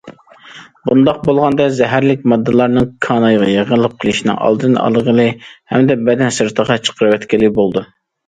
بۇنداق بولغاندا زەھەرلىك ماددىلارنىڭ كانايغا يىغىلىپ قېلىشىنىڭ ئالدىنى ئالغىلى ھەمدە بەدەن سىرتىغا چىقىرىۋەتكىلى بولىدۇ.